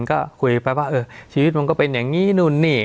ก็คุยไปว่าเออชีวิตมันก็เป็นอย่างนี้นู่นนี่